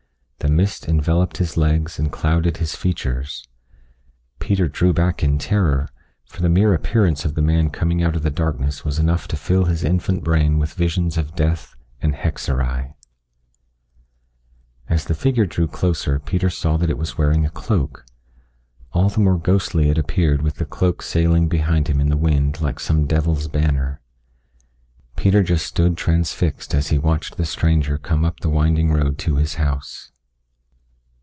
The mist enveloped his legs and clouded his features. Peter drew back in terror, for the mere appearance of the man coming out of the darkness was enough to fill his infant brain with visions of death and hexerei. As the figure drew closer Peter saw that it was wearing a cloak. All the more ghostly it appeared with the cloak sailing behind him in the wind like some devil's banner. Peter just stood transfixed as he watched the stranger come up the winding road to his house.